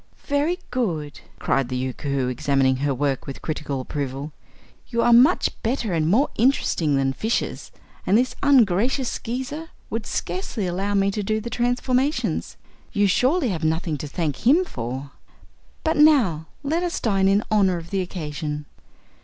"Very good!" cried the Yookoohoo, examining her work with critical approval. "You are much better and more interesting than fishes, and this ungracious Skeezer would scarcely allow me to do the transformations. You surely have nothing to thank him for. But now let us dine in honor of the occasion."